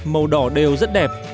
màu đỏ đều rất đẹp